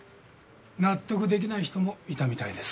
納得できない人もいたみたいですが。